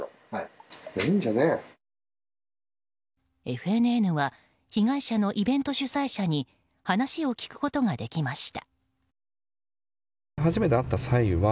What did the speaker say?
ＦＮＮは被害者のイベント主催者に話を聞くことができました。